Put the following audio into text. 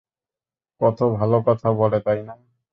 কতো ভাল কথা বলে তাই না?